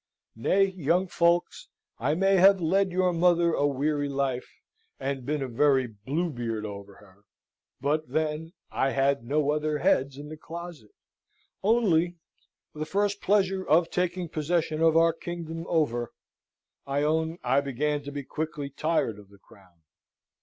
Nay, young folks, I may have led your mother a weary life, and been a very Bluebeard over her, but then I had no other heads in the closet. Only, the first pleasure of taking possession of our kingdom over, I own I began to be quickly tired of the crown.